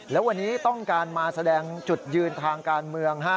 แล้ววันนี้ต้องการมาแสดงจุดยืนทางการเมือง